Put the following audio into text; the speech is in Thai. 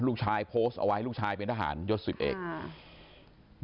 ลูกชายโพสต์เอาไว้ลูกชายเป็นทหารยศสิบเอกอ่า